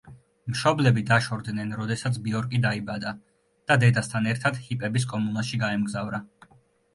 მშობლები დაშორდნენ, როდესაც ბიორკი დაიბადა და დედასთან ერთად ჰიპების კომუნაში გაემგზავრა.